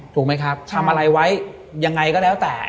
ถูกไหมครับทำอะไรไว้ยังไงก็แล้วแต่